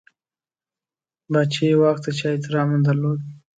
پاچهي واک ته چا احترام نه درلود.